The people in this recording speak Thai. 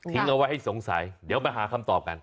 เอาไว้ให้สงสัยเดี๋ยวไปหาคำตอบกัน